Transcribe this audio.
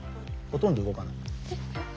ほとんど動かない。